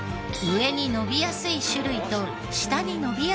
上に伸びやすい種類と下に伸びやすい種類。